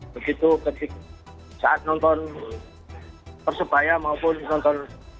begitu saat nonton persebaya maupun nonton